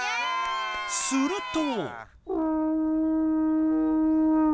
すると。